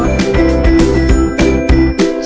kayak ke hongkong singapura